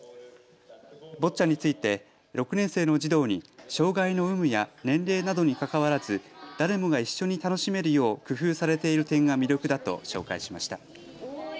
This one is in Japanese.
ボッチャについて６年生の児童に障害の有無や年齢などにかかわらず誰もが一緒に楽しめるよう工夫されている点が魅力だと紹介しました。